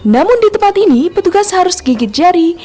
namun di tempat ini petugas harus gigit jari